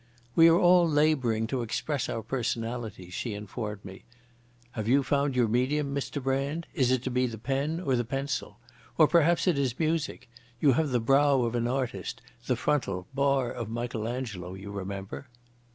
"We are all labouring to express our personalities," she informed me. "Have you found your medium, Mr Brand? is it to be the pen or the pencil? Or perhaps it is music? You have the brow of an artist, the frontal 'bar of Michelangelo', you remember!"